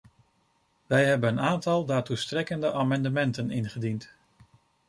Wij hebben een aantal daartoe strekkende amendementen ingediend.